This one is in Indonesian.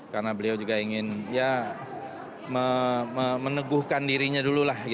karena beliau juga ingin meneguhkan dirinya dulu